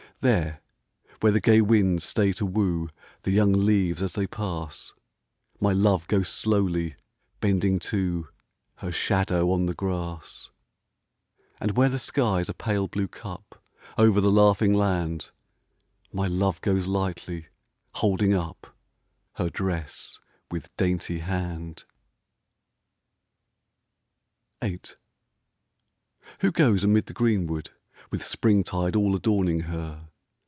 There, where the gay winds stay to woo The young leaves as they pass, My love goes slowly, bending to Her shadow on the grass ; And where the sky 's a pale blue cup Over the laughing land, My love goes lightly, holding up Her dress with dainty hand. VIII Who goes amid the green wood With springtide all adorning her